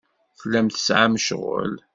Tellam tesɛam ccɣel.